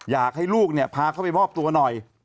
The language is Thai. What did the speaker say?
อยากให้ลูกเนี่ยพาเข้าไปมอบตัวหน่อย